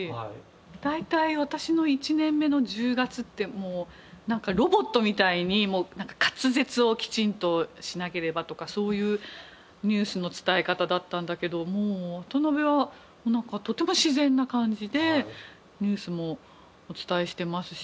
大体私の１年目の１０月ってもうなんかロボットみたいに滑舌をきちんとしなければとかそういうニュースの伝え方だったんだけどもう渡辺はなんかとても自然な感じでニュースもお伝えしてますし。